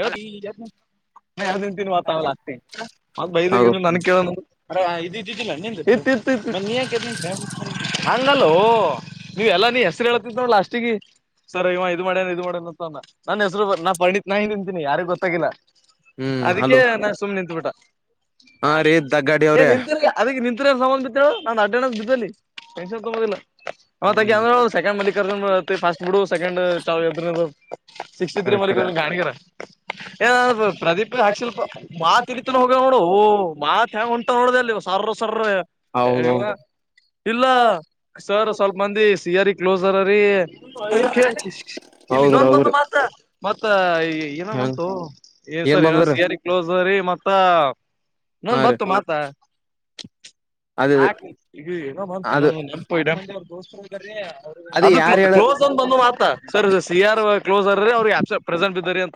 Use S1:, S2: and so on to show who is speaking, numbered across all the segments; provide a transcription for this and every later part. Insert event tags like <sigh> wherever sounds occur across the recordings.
S1: ಹ ನ ಅದನ್ ತಿನ್ಿ ಮಾಾತಾವಲ್ಲ ಅತಿ ಮ ಬೈಲ
S2: ಹೌದು
S1: ನನ್ ಕೇಳ ಚಿ ಸ ಹಂಗಲ್ಲೋ ನೀ್ ಎಲ್ಲ ನೀ ಹೆಸರು ಹೇಳೇಳ್ತಿದ್ ನೋ ಅಷ್ಟಿಗೆ ಸರಿ ಇವ ಇ್ ಮಾಡೇನ್ ಇದು ಮಾಡೇನ್ ಅಂತ ನನ್ ಹೆಸರು ನಾ ಪ ನಾ ನಿಂತೀನಿ ಯಾರಿಗ ಗೊತ್ತಾಗಿಲ್ಲ
S2: ಹ್ಮ್
S1: ಅದಕ್ಕೆ
S2: ಹಲೋ
S1: ನಾ ಸುಮ್ನೆ ನಿತ್ುಬಿಟ
S2: ಹಾ ರೀ ದಗ್ಗಾಡಿ ಅವ್ರೇ
S1: ನಿ ಅದ ನಿ ನ್ ಬಿು ನ ಅಡಸ್ ಬಿದ್ದ ೆನ್ ತಗೋದಿಲ್ಲ ಮತ್ತ
S2: ಹ್ಮ್
S1: ಅಂದ ಸೆಕಂಡ್ ಮ ಫಸ್ಟ್ಡ್ ಸೆಕ್ ಚ ಸಕ್ಸ್ಟಿ ತ್ರ
S2: ಕರೆ
S1: ಮ
S2: ಕರೆ
S1: ಗಾಣಗರ ಏ ಪ್ರದೀಪ್ ಸ್ವಲ್ಪ ಮಾತ್ಡತನ ಹೋಗ ನೋಡು ಮಾತ್ ಹ ಒಊಟ ಒಳದಲ್ಲಿ ಸರ್ ಸರ್
S2: ಹೌದ
S1: ಇಲ್ಲ ಸರ್ ಸ್ವಲ್ಪ ಮಂದಿ ಸರಿ ಕ್ಲೋಸರ್ ರೀ
S2: ಹೌದು ಹೌದ್ರಿ
S1: ಇನ್ನೊಂದಂದು
S2: ಹೌದ್ರಿ
S1: ಮಾತ್ರ ಮತ್ತ ಏನ
S2: ಹ್ಮ
S1: ಬಂತು ಏನ್ ಸರಿ ಏನ ಸಿಯಾರಿ ಕ್ಲೋಸ್ರಿ ಮತ್ತ
S2: ಹಾ
S1: ನನ್
S2: ರೀ
S1: ಬತ್ತು ಮಾತ
S2: ಅದ
S1: ನಾಕು ಈಗ ಏನೋ ಬಂತೇನೊ
S2: ಅದು
S1: ನೆಪಪ ಅವ್ರ ದೋಸ್ತದ್ರೀ
S2: ಅದ
S1: ಅದು
S2: ಯಾರ್ ಹೇಳ
S1: ಕ್ಲೋಸ್ ಅಂದ ಬಂದ್ ಮಾತ ಸರಿ ಸಿ ಆರ್ ಕ್ಲೋಸ್ ಅರಿ ಅವ್ರಿಗೆಸ ಪ್ರೆಸೆಂಟ್ ಇದ್ದರಿ ಅ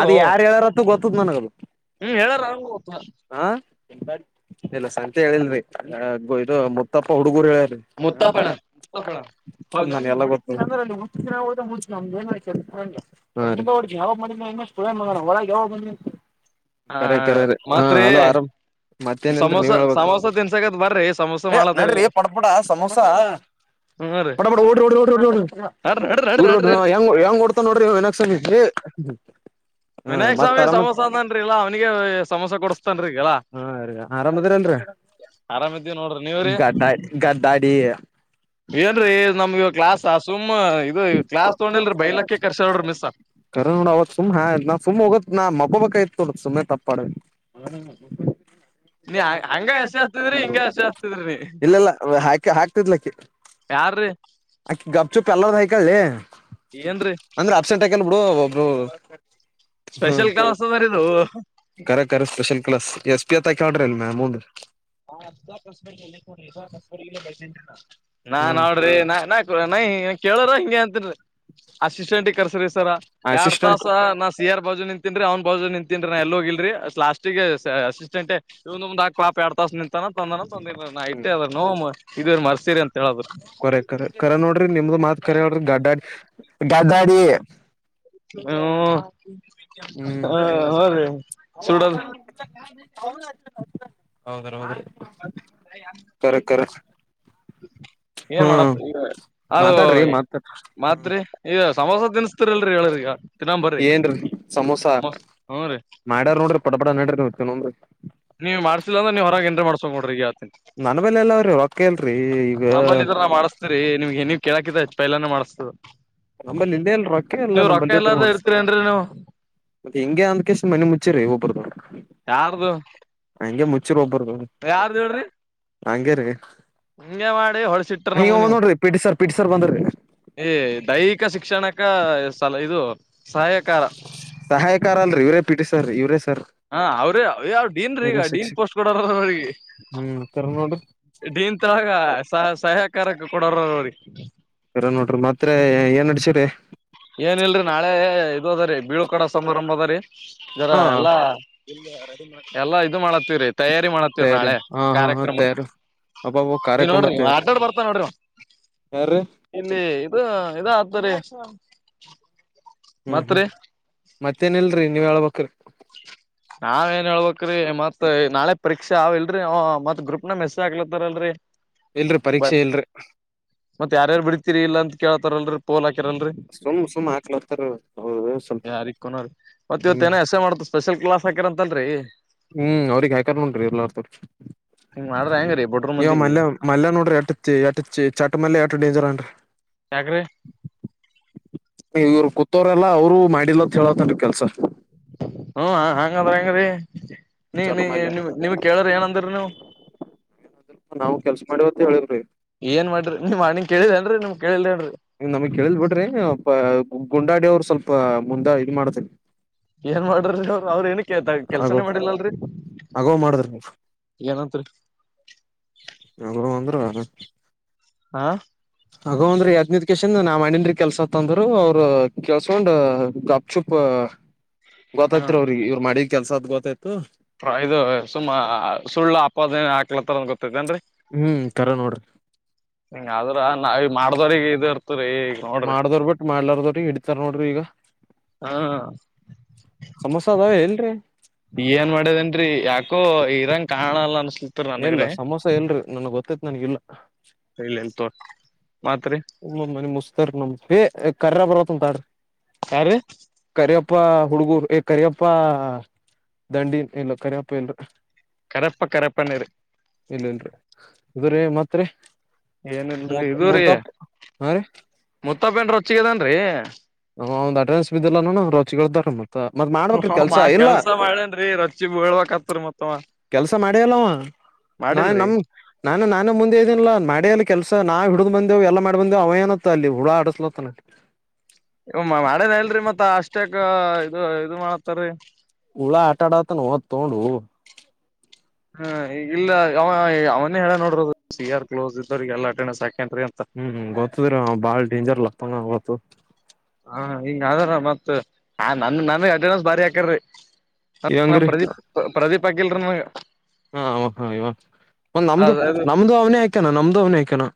S2: ಅದ ಯಾರ್ ಹೇಳಾರತ್ತ ಗೊತ್ತದ್ ನನಗದು
S1: ಹ್ಮ್ ಹೇಳಾರ
S2: ಹಾ ಎಲ್ಲ ಸ ಹೇಳಿಲ್ರಿ ಇದು ಮುತ್ತಪ್ಪ ಹುಡುಗರು ಹೇಳ
S1: ಮುತ್ತಪ್ಪಣ ಮುತ್ತಪ್ಪಣ
S2: ್ರ ನಮ್ದಂಬ ಹು ಯಾವಾಗ ಬಂದ ಹೆಂಗ ಮ ಹೊರಗೆ ಯಾವಾಗ ಬಂದ
S1: ಹ
S2: ಕರೆ ಕರೆ ಹಾ
S1: ಮತ್ರಿ
S2: ಅಲೋ ಆರಾಮ್ ಮತ್ತೇನೇನ್ರಿ
S1: ಸಮೋಸ
S2: ನೀವ್ ಹೇಳ್ಬೇಕು
S1: ಸಮೋಸ ತಿನ್ಸಕತ್ ಬರ್ರಿ ಸಮೋಸ
S2: ಏ ನಡ್ರಿ
S1: ಮಾಡತಾರಲಿ
S2: ಪಡಪುಡ ಸಮೋಸಾ
S1: ಹ್ಮ ರೀ
S2: ಡ
S1: ನಡ್ರಿ ನಡ್ರಿ ನಡ್ರಿ
S2: ೋಂಗ
S1: ನಡ್ರಿ
S2: ಹೆಂಗ ಓಡ್ತಾ ನೋಡ್ರಿ ವಿನಕ್ ಸಂಗತಿ <inaudible>
S1: ವಿನಾಯಕ್ ಸ್ವಾಮಿ ಸಮೋಸ ಅದನ್ರಿ ಇಲ್ಲಾ ಅವ್ನಿಗೆ ಸಮೋಸ ಕೊಡಸ್ತನ್ೀಗಲ್ಲ
S2: ಗಡಾಡಿ ಗಡ್ಡಾಡಿ
S1: ಏನ್ರೀ ನಮ್ಗ ಕ್ಲಾಸ್ ಸುಮ್ ಇದು ಕ್ಲಾಸ್
S2: ್ರೆಾಪ್ರ
S1: ತೊಗೊಂಡಿಲ್ರಿ
S2: ಬಯಲ
S1: ಬೈಲಕ್ಕೆ ಕರ್ಸೋಡ್ರಿ ಮಿಸ್
S2: ಕರ ನೋಡ ಅವತ್ ಸುಮ್ಾ ನಾ ಸುಮ್ ಹೋಗೋ ನ್ ಮಬಬೇಕ ಇತ್ ನೋಡ ಸುಮ್ಮನೆ ತಪ್ಪಾಡ ಅ
S1: ನೀ ಹಂಗ ಹಸಿ ಹಸ್ತಿದ್ರಿ ಹಿಂಗ ಹಸಿ ಹಸ್ತಿದ್ರಿ ನೀ
S2: ಇಲ್ಲಲ್ಲ ಹಾಕ ಹಾಕ್ತಿದ್ಲಕ್ಕ
S1: ಯಾರೀ
S2: ಗಪ್ ಚುಪ್ ಎಲ್ಲದ ಹೈಕೊಳ್ಳಿ
S1: ಏನ್ರೀ
S2: ಅಂದ್ರೆ ಅಬ್ಸೆಂಟ್ ಹಾಕನ್್ ಬಿಡು ಹ
S1: ಸ್ಪೆಷಲ್ ಕಲಸದಾರ ಇದು
S2: ಸ್ ಲಸ್ ಎಸ್ ಪಿ ಅತ್ತ ಕ್ರಿ ಅಲ್ ಮ ಅಮೌ ಹ್ಮ್
S1: ನೋಡ್ರಿ ನಾ ನಯ ಕೇಳೋರ ಹಂಗೆ ಅಂತನ್ರಿ ಅಸಿಸ್ಟೆಂಟ್ಿ ಕರ್ಸ್ರಿ ಸರ ಎರಡ್
S2: ಅಸಿಸ್ಟೆಂಟ್
S1: ತಾಸ ನಾ ಸಿ ಆರ್ ಬಜುನ್ ತಿನ್ರಿ ಅವ್ನ್ ಬ ನಿಂತನ್ಿ ನ ಎಲ್ಲ ಹೋಗಿಲ್ರಿ ಲಸ್ ಿಗೆ ಅಸಿಸ್ಟೆಂಟ್ ಒ ಒಂದ ಪಪಾತ ನಿಂತಾನ ತಂದನ ತಂದಿ ನ ಇಐೆ ಅದ್ರನು ಇದ ಮರ್ಸೀರಿ ಅಂತ ಹೇಳದ್ರು
S2: ಕೊರೆ ಕರೆ ಕರೆ ನೋಡ್ರಿ ನಿಮ್ದ ಮಾತ್ ಕರೆ ಹೇಳೋಡ್ರಿ ಗಡಾಡಿ ಗಾಡಿ
S1: ಹ್ಮ ಹ ಹ ರೀ
S2: ಹ ಅ ಅ ಹೌದ ಹೌದ ಕರೆ ಕರೆ
S1: ಏನ್
S2: ಹ್ಮ್
S1: ಮಾಡಪ್ಪ ಈ ಅದು
S2: ಮಾತಾಡ್ರಿ ಮಾತಾಡ್ರಿ
S1: ಮಾತ್ರಿ ಈಗ ಸಮೋಸ ತಿನ್ಸ್ತಿರಿಲ್ರರಿ ಹೇಳ್ರಿಗ ತಿನ್ನೊಂಬರ್ರಿ ಹ ಹ್ಮ ರೀ
S2: ಮಾಡ್ಯ ನೋಡಿ ಪಡ್ರರಿತ್ತತ ನೋಡಿ
S1: ನೀವು ಮಾಡ್ಸಿಲ್ಲ ಅಂದ್ರ ನೀವು ಹೊರಗೆ ಎನ್್ರ ಮಾಡ್ಕ ನೋ್ರ ಈಗ ಆತಿನ್
S2: ನನ್ ಬಲೆ ಎಲ್ಲ ಅವ್ರಿ ಹೊರತ್ ಕಲ್ರಿ ಈಗ
S1: ನಿಮ್ಗೆಏ ನೀವ್ೇಳಾಕಿದಚ್ಚ ಪೈಲಾನನೆ ಮಾಡ್ತದ
S2: ನಮ್ಮಲ್ಲಿ ಇಲ್ಲೇ ಎಲ್ರಕ ಎಲ್ಲಾ ನಂಬಲ್ಲಿ ಇದ್ರ
S1: ಎಲ್ಲಾರ್ದ
S2: ಮಾಡಸ
S1: ಇರ್ತೀರೇನ್ರಿ ನೀವು
S2: ಮತ್ತೆ ಹೆಿಂಗೆ ಅಂದಕೆಷ್ಟ ಮನೆ ಮುಚ್ಚಿರಿ ಒಬ್ಬರದವರು
S1: ಹ ಯಾರ್ದ ಹೇಳ್ರಿ
S2: ನಂಗರು
S1: ಹಂಗಗೆ ಮಾಡಿ ಹೊಳ್ಸ ಟ್ರ ನಮಗ ನೀವು
S2: P T sir P T sir ಬಂದ್ರಿ
S1: ಏ ದೈಹಿಕ ಶಿಕ್ಷಣಕ ಸ ಇದು ಸಹಾಯಕಾರ
S2: ಸಹಾಯಕಾರ ಅಲ್ರೀ ಇವರೇ ಪೀಠಿಸ್ರ್ೀ ಇವರೇ
S1: ಹಾ ಅವ್ರ ಯಾವ ಡೀನ್ ರೀ ಈಗ ಡೀನ್
S2: ಶಿಕ್ಷಕ್
S1: ಪೋಸ್ಟ್ ಕೊಡರ ಅವ್ರಿಗೆ
S2: ಹ್ಮ್ ಕರ ನೋಡ್ರಿ
S1: ದನ್ತ್ರಗ ಸಹ ಸಹಾಯಕಾರಕ್ಕೆ ಕೊಡರ್ರಿ
S2: ನೋಡ್ರಿ ಮತ್ರ ಏನ್ ನಡಚಿ್ರರಿ
S1: ಏನ ಇಲ್ರಿ ನಾಳೆ ಇ ಅದ್ರೀ ಬೀಳ ಕಡ ಸಮಾರಂಭ ಅದ್ರರಿ ಜರ
S2: ಹಾ
S1: ಎಲ್ಲಾ ಎಲ್ಲಾ ಇದು ಮಾಡತ್ತೀವ್ರೀ ತಯಾರಿ ಮಾಡತ್ತೀವ
S2: ತಯಾರಿ
S1: ನಾಳೆ
S2: ಹಾ ಹಾ ಹಾ
S1: ಕಾರ್ಯಕ್ರಮಕ
S2: ತಯಾರಿ ಅಬ್ಬಬ್ಬ
S1: ನೀ
S2: ಕಾರ್ಯಕ್ರಮ
S1: ನೋಡ್ರಿ
S2: ತಯಾರಿ
S1: ಅಡ್ಡಾಡ್ ಬರ್ತಾ ನೋಡ್ರಿ
S2: ಯಾರ್ರೀ
S1: ಇಲ್ಲಿ ಇದು ಇದ ಆದತರಿ
S2: ಹ್ಮ್ ಹ್ಮ್ ಮತ್ತೇನ್ ಇಲ್ರಿ ನೀವ್ ಹೇಳ್ಬ್ರಿ
S1: ನಾವ್ ಏನ್ ಹೇಳ್ಬ್ರೀ ಮತ್ ನಾಳೆ ಪರೀಕ್ಷ ಅವ ಇಲ್ರರಿ ಮತ್ ಗ್ರೂಪ್ ನ ಮೆಸ್ಸೇಜ್ ಆಗ್ಲತ್ತಾರಲ್ರರಿ
S2: ಇಲ್ರಿ
S1: ಬ
S2: ಪರೀಕ್ಷೆ ಇಲ್ರಿ
S1: ಮತ್ತ ಯಾರಾರು ಬಿಡ್ತೀರಿ ಇಲ್ಲ ಅಂತ ಕೇಳ್ತಾರಲ್ ಪೋಲಾಕ ನ್
S2: ಸುಮ್ ಸುಮ್ ಹಾಕ್ಲತ್ತಾರ ಅವ್ರ ಸ್ವಲ್ಪ
S1: ಯಾರನ ಮತ್ತ ಇವತ್ತ
S2: ಹ್ಮ್
S1: ಏನ ಎಸ ಮಾಡ ಸ್ಪೆಷಲ್ ಕ್ಲಾಸ್ ಹಾಕಿರ ಅಂತಲ್ರರಿ
S2: ಹ್ಮ್ ಅವ್ರಿಗೆ ಹಯಕಾರ್ ನೋಡ್ರಿ ಎರ್ಲ್ಲರ್ತವ್ರ
S1: ಹಿಂಗ್ ಮಾಡ್ರ ಹೆಂಗ್ರೀ ಬಡ್ರು
S2: ಇವ
S1: ಮಂದಿಗೆ
S2: ಮಲ್ಲೆ ಮಲ್ಲೆ ನೋಡ್ರಿ ಎಟ್ಟತಿ ಎಟತಿ ಚಟ್ ಮಲ್ಯ ಎಷ್ಟು ಡೇಂಜರ್ ಹಾನ
S1: ಯಾಕ್ರಿ
S2: ರಿ ಇವ್ರು ಕೂತೋರಲ್ಲ ಅವರು ಮಾಡಿಲ್ಲಂತ ಹೇಳತನ್ ಕೆಲ್ಸ
S1: ಹ್ಮ ಹಂಗದ್ರ ಹೆಂಗ ರಿ ನೀ
S2: ಚಟ
S1: ನೀ
S2: ಮಲ್ಯ
S1: ನಿ ನಿಮ ಕೇಳ್ರ ಏನಂದ್ರ ನೀವು
S2: ನಾವು ಕೆಲ್ಸ ಮಾಡಿವತ್ತ ಹೇಳಿವ್ರಿ
S1: ಏನ್ ಮಾಡ್ರಿ ನೀ ಅಣಿಂಗ ಕೇಳಿದೇನ್ರರಿ ನಿಮ್ ಕೇಳಲ್ರಿಿ
S2: ನಮಗ್ ಕೇಳಿದ ಬಿಟ್ರಿ ಗುಂಡಾಡ ಅವರು ಸ್ವಲ್ಪ ಮುಂದೆ ಇದ ಮಾಡ್ತಿ
S1: ಏನ್ ಮಾಡ್ರ್ರಿ ಅವ ಅವ್ರ ಏನ
S2: ಆಗೋ
S1: ಕೆಲ್ಸನೇ ಮಾಡಿಲ್ಲಲ್ರರಿ
S2: ಆಗೋ ಮಾಡಿದ್ರಿ
S1: ಏನ ಸ
S2: ಗಂದ್ರ
S1: ಹಾ
S2: ಹಗಂದ್ರ ಯದ್ನದಷ್ಟ <inaudible> ನಾ ಮಾಡೀನಿ ರಿ ಕೆಲ್ಸತ್ಂದ್ರರು ಅವ್ರ ಕೆೇಸ್ಕೊಂಡ್ ಗಪ್ ಚುಪ್ ಗೊತ್ತೈತ್ ಅವ್ರ ಇವ ಮಾಡಿ ಕೆಲ್ಸದ ಗೊತ್ತೈತ್
S1: ಫ್ರ ಇದು ಸುಮ್ಮ ಸುಳ್ಳು ಅಪಾದನ ಹಾಕ್ಲತ್ತಾರಂದ ಗೊತ್ತೈತೆೇನ್ರಿ
S2: ಹ್ಮ್ ಕರ ನೋಡ್ರಿ
S1: ಹಂಗ ಆದ್ರ ನಾವ ಮಾಡ್ದವ್ರಗ ಇದರ
S2: ಮಾಡ್ದವರ್ ಬಿಟ ಮಾಡ್ಲಾರ್ದ ಹಿಡಿತಾರ ನೋಡ್ರಿ ಈಗ
S1: ಹ್ಮ್
S2: ಸಮೋಸ ಅದಾವ ಹೇಳಲ್ರಿ
S1: ಇ ಕಾಣಲ್ಲ ಅನಸುತ್ತೆ
S2: ಎಲ್ಲ ಸಮೋಸ ಇಲ್ಲ ರಿ ನನಗ ಗೊತ್ತೈತ ಇಲ್ಲ
S1: ಇಲ್ಲ ಎಂತ
S2: ಹ ಮನ ಮುಸ್ತಾರ ನಮ್ದ ಕರ್ರ ಬರೋತ ಉಂತಾಡ್ರಿ
S1: ಯಾರ್ರೀ
S2: ಅಪ್ಪ ಹುಡುಗೂರು ಕರಿಯಪ್ಪ ದಂಡಿ ಎಲ್ಲ ಕರಿಯಪ್ಪ ಇಲ್ಲ
S1: ಕರೆಪ್ಪ ಕರೆಪ್ಪನೇರಿ
S2: ಇಲ್ಲಿ ಇಲ್ರೀ ರೀ ಮತ್ರಿ
S1: ಏನಲ್ರರಿ
S2: ಮೂತ್
S1: ಇದು ರಿ
S2: ಮೂತಪ್ಪ ಹಾ ರೀ
S1: ಮುತ್ತಪ ಎಷ್ಟು ರೊಚ್ಚಿಗಿಯೇದ್ದಾನ ರಿ
S2: ಹ್ ಒ ಅಡ್ರೆನ್ಸ್ ಬಿದ್ದಲ್ಲ ನು ರೋಚಿಗಿ ಏಳತನ ರಿ
S1: ಹ ಮಾ ಕೆಲ್ಸ ಮಾಡೇನ್ರರಿ ರಚ್ಚಿ ಬೀಳ್ವಕ್ತ್ರಿ ಮತ್
S2: ಕೆಲ್ಸ ಮಾಡ್ಯಲ್ಲವಾ ನಾನ
S1: ಮಾಡಿಲ್ರಿ
S2: ನಮ ನಾನು ನಾನು ಮುಂದೆ ಇದ್ದನಿಲ್ಲ ಮಾಡ್ಯ ಕೆಲ್ಸಾವ ಹಿಡಿದ್ ಬಂದೆವು ಎಲ್ಲ ಮಾಡ ಬಂದೆವು ಅವ ಏನತ್ತ ಅಲ್ಲಿ ಹುಳ ಆಡಸ್ಲತ್ತನ
S1: ಇ ಮಾಡೇನ ಇಲ್ರರಿ ಮತ್ತ ಅಷ್ಟಕ್ಕ ಇದು ಇದು ಮಾಡ್ತಾರೀ
S2: ಹುಳ ಆಟ ಆಡತ ನೋದ ತೊಂದು
S1: ಹ್ಮ ಈ ಇಲ್ಲ ಅವ ಅವನೇ ಹೇಳ ನೋಡರೋದು ಯಾರ್ ಕ್ಲೋಸ್ ಇದ್ದೋರರಿಗೆಲ್ಲ ಅಟೆಂಡಸ್ ಆಗ್
S2: ಹ್ಮ್ ಗೊತ್ತದ್ರಿ ಬಾಳ್ ಡೇಂಜರ್ ಲಗ್ತಂಗ ಗೊತ್ತು
S1: ಹಾ ಹಿಂಗ ಅದ್ರ ಮತ್ತತ ಹ ನನ ನನ್ಗ ಅಟನ್ಸ್ ಬಾರಿ ಹಾಕಾರಿ ಹ ನಾ
S2: ಇವಂಗ್ರಿ
S1: ಪ್ರದೀಪ್ ಪ್ರದೀಪ್ ಆಗಿಲ್ರ ನ
S2: ಹಾ ಹ ಇವ ಒ ನಮ್ದು
S1: ಅದ್
S2: ನಮ್ದು ಅವ್ನೇ ಆಯ್ಕಾನ ನಮ್ದು ಅವ್ನೇ ಆಯ್ಕಾನಣ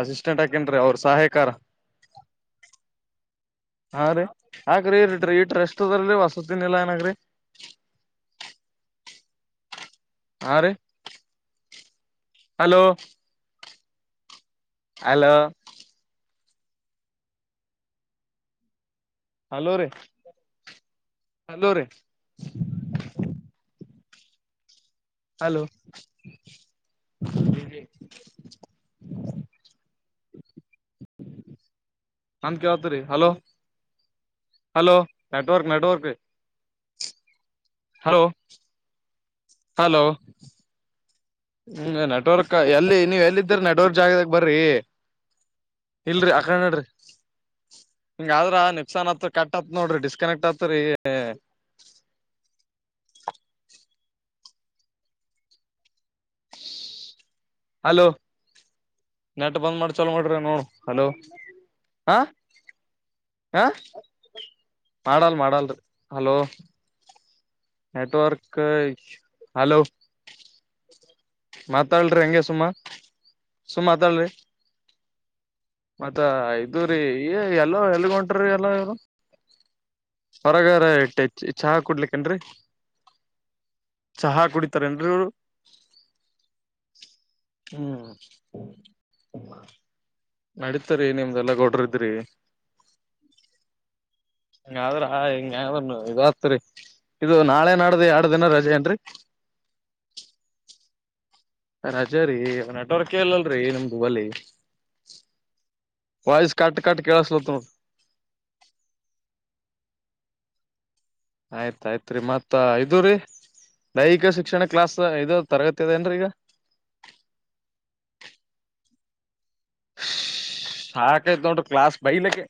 S1: ಅಸಿಸ್ಟೆಂಟ್ ಹಾಕೇನ ರಿ ಅವ್ರ ಸಹಾಯಕಾರ
S2: ಹ
S1: ಹಾ ರೀ ಆಕ್ರಿ ಇಟಿ ಇಟ್ರಷ್ಟದ್ರ ಹೊಸತಿನಿಲ್ಲಾ ಏನಾಗ್ರಿ
S2: ಹ
S1: ಹಾ ರಿ ಹಲೋ ಹಲೋ ಹಲೋ ರೀ ಹಲೋ ರೀ ಹಲೋ
S2: <inaudible>
S1: ನನ್ ಕವತ ರೀ hello <unintelligible> hello network network hello hello ಹ್ಮ ನೆಟ್ವರ್ಕ್ ಎಲ್ಲಿ ನೀವ್ ಎಲ್ಲಿದ್ದ್ರ ನೆಟ್ವರ್ಕ್ ಜಾಗದಾಗ ಬರ್ರಿ ಇಲ್ರರಿ ಆಕ ನಡ್ರಿ ಹಿಂಗ ಆದ್ರ ನಕ್ಸಾನ್ ಆತ್ ಕಟ್ ಆತ್ ನೋಡ್ರಿ ಡಿಸ್ಕನೆಕ್ಟ್ ಆತ್ರಿ
S2: <inaudible>
S1: ಹಲೋ ನೆಟ ಬಂದ್ ಮಾಡಿ ಚಲೋ ಮಾಡಡ್ರಿ ನೋಡು ಹಲೋ ಹ ಹಾ ಮಾಡಲ್ ಮಾಡಲ್ ಹಲೋ ನೆಟ್ವರ್ಕ್ ಹಲೋ ಮಾತಾಡ್ರಿ ಹೆಂಗಗೆ ಸುಮ್ಮ ಸು ಮಾತಾಡ್ರಿ ಮತ್ತ ಇದದು್ರೀ ಎಲ್ಲೋ ಎಲ್ ಹೊಂಟ್ರೀ ಎಲ್ಲ ಎ ಹೊರಗಾರ ಇಟ್ಟ ಚಹಾ ಕುಡ್ಲಿಕ್ಕನ್ರಿ ಚಹಾ ಕುಡಿತಾರೇಏನ್ರಿ ಅವರು ಹ್ಮ್ ನಡೀತರಿೀ ನಿಮ್ದಲ್ಲಾ ಗೊಡ್ರಿದ್ರಿ
S2: <inaudible>
S1: ಹಂಗಾದ್ರ ಹಿಂಗ್ರ ಇದ ಆತ್ರಿ <unintelligible> ಇದು ನಾಳೆ ನಾಡ್ದ ಎರಡ ದಿನ ರಜೆ ಏನ್ರಿ
S2: ಹ <inaudible>
S1: ರಚೆ ರರಿ ನಟವರ್ಕ್ೇಳಲ್ಲಲ್ರರಿ ನಿಮ್ದು ಬಲಿ ವೈಸ್ ಕಾಟ್ ಕಾಟ್ ಕೇಳಸಲ ತ
S2: <inaudible>
S1: ಆಯ್ತ್ಾಯ್ತ್ೀ ಮತ್ತ ಇದದು್ರರಿ ಲೈಹಿಕ ಶಿಕ್ಷಣ ಕ್ಲಾಸ್ ಇದ ತರಗತಿಿಯದೆೇಏನ್ೀ ಈಗ
S2: <inaudible>
S1: ಹಕತು ಕ್ಲಾಸ್ ಬೈಲೆಕ್ಕೆ